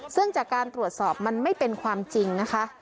ซึ่งจากการตรวจสอบมันไม่เป็นความจริงนะคะ